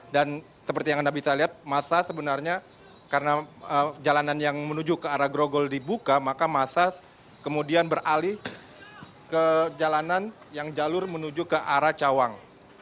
dan seperti yang anda bisa lihat masa sebenarnya karena jalanan yang menuju ke arah grogol dibuka maka masa kemudian beralih ke jalanan yang jalur menuju ke arah cawang